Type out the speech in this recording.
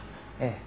ええ。